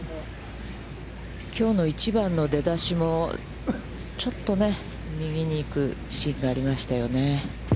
きょうの１番の出だしも、ちょっとね、右に行くシーンがありましたよね。